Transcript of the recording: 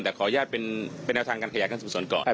แต่ขออนุญาตเป็นแนวทางการขยายการสูจนก่อน